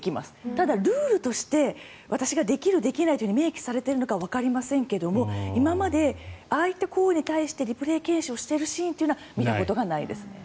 ただ、ルールとして私ができる、できないと明記されているのかはわかりませんけども今まで、ああいった行為に対してリプレー検証しているシーンは見たことがないです。